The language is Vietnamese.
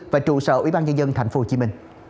và trụ sở ủy ban nhà dân tp hcm